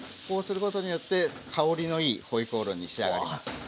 そうすることによって香りのいい回鍋肉に仕上がります。